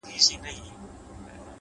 مهرباني د زړونو ترمنځ فاصله کموي،